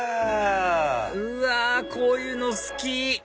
うわこういうの好き！